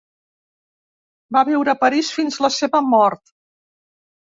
Va viure a París fins la seva mort.